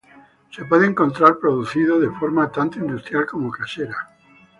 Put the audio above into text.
Se puede encontrar producido de forma tanto industrial como casera.